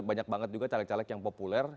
banyak banget juga caleg caleg yang populer